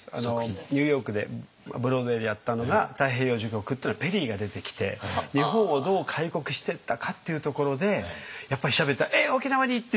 ニューヨークでブロードウェイでやったのが「太平洋序曲」っていうのはペリーが出てきて日本をどう開国していったかっていうところでやっぱり調べたら「えっ沖縄に！」っていう感じで。